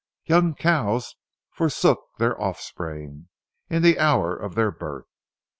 Young cows forsook their offspring in the hour of their birth.